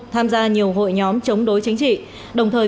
tham gia nhiều hội nhóm chống đối chính trị đồng thời